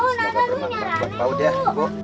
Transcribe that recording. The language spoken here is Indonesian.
semoga bermanfaat buat paus deh